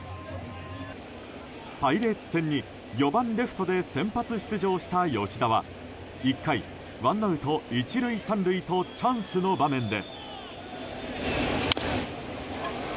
パイレーツ戦に４番レフトで先発出場した吉田は１回、ワンアウト１塁３塁とチャンスの場面で。